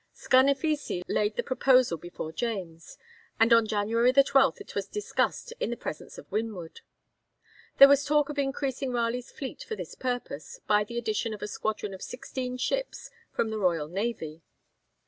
Scarnafissi laid the proposal before James, and on January 12 it was discussed in the presence of Winwood. There was talk of increasing Raleigh's fleet for this purpose by the addition of a squadron of sixteen ships from the royal navy.